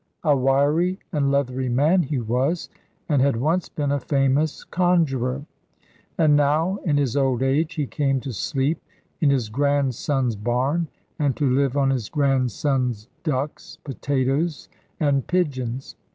A wiry and leathery man he was, and had once been a famous conjurer. And now in his old age he came to sleep in his grandson's barn, and to live on his grandson's ducks, potatoes, and pigeons.